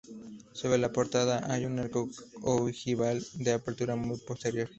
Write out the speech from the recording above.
Sobre la portada hay un arco ojival, de apertura muy posterior.